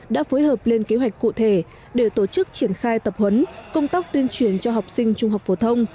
đã phối hợp lên kế hoạch cụ thể để tổ chức triển khai tập huấn công tác tuyên truyền cho học sinh trung học phổ thông